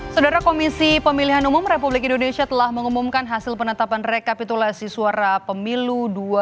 saudara komisi pemilihan umum republik indonesia telah mengumumkan hasil penetapan rekapitulasi suara pemilu dua ribu sembilan belas